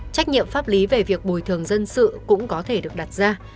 trách nhiệm pháp lý về việc bồi thường dân sự cũng có thể được đặt ra